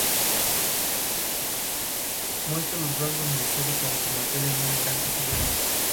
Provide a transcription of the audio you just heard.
Muestra los rasgos necesarios para convertirla en una gran cazadora.